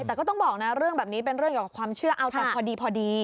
แต่ก็ต้องบอกนะเรื่องแบบนี้เป็นเรื่องเกี่ยวกับความเชื่อเอาแต่พอดีพอดี